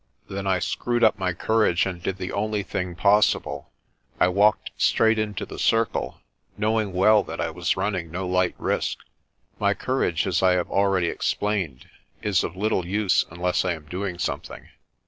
Then I screwed up my courage and did the only thing possible. I walked straight into the circle, knowing well that I was running no light risk. My courage, as I have already explained, is of little use unless I am doing something.